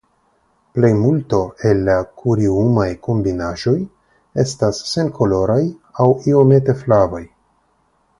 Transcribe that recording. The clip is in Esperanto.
Plejmulto el la kuriumaj kombinaĵoj estas senkoloraj aŭ iomete flavaj.